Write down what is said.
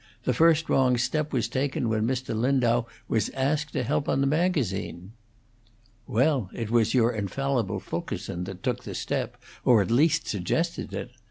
The first wrong step was taken when Mr. Lindau was asked to help on the magazine." "Well, it was your infallible Fulkerson that took the step, or at least suggested it.